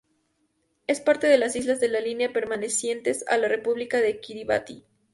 Es parte de las Islas de la Línea pertenecientes a la República de Kiribati.